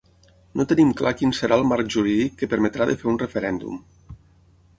No tenim clar quin serà el marc jurídic que permetrà de fer un referèndum.